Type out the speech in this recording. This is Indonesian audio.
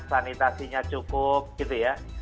sanitasinya cukup gitu ya